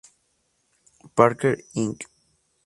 Parker Inc.